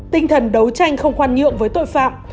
tinh thần đấu tranh không khoan nhượng với tội phạm